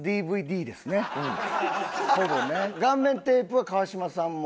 「顔面テープ」は川島さんも。